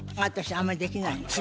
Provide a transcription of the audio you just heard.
あんまりできないの。